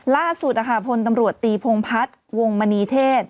ล่าสุดพลตำรวจตีพงพัฒน์วงมณีเทศ